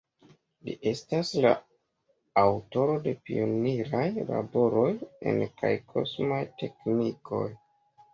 Li estas la aŭtoro de pioniraj laboroj en kaj kosmaj teknikoj.